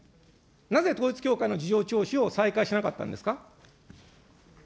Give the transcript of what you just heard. なぜ統一教会の事情聴取を再開しなかったんですか。